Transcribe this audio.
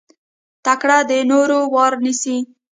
تکړه د نورو وار نيسي.